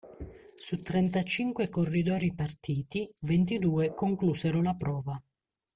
Su trentacinque corridori partiti, ventidue conclusero la prova.